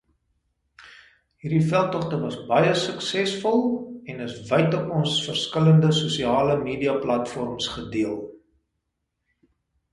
Hierdie veldtogte was baie suksesvol en is wyd op ons verskillende sosialemediaplatforms gedeel.